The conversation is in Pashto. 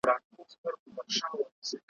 یوه ورځ به د ښکاري چړې ته لویږي `